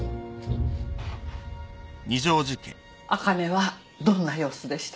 あかねはどんな様子でしたか？